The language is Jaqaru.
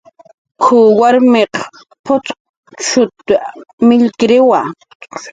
"K""uw warmiq p'uchquta millkiriwa "